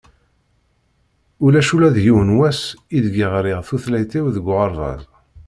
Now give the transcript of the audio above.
Ulac ula d yiwen n wass i deg i ɣriɣ tutlayt-iw deg uɣerbaz.